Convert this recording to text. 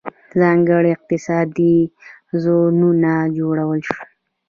ځانګړي اقتصادي زونونه جوړ شول.